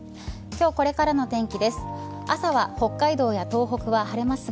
今日これからの天気です。